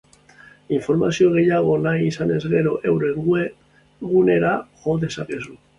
Informazio gehiago nahi izanez gero, euren web gunera jo dezakezue.